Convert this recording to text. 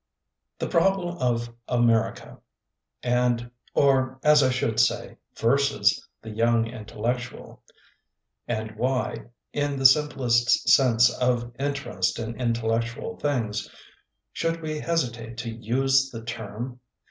The problem of America and, or as I should say, versus the young intellectual — and why, in the simplest sense of interest in intellec tual things, should we hesitate to use the term?